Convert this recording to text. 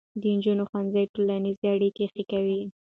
د نجونو ښوونځي ټولنیزې اړیکې ښې کوي.